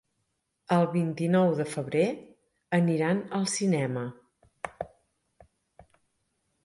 El vint-i-nou de febrer aniran al cinema.